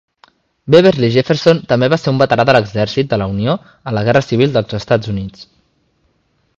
Beverley Jefferson també va ser un veterà de l'Exèrcit de la Unió a la Guerra Civil dels Estats Units.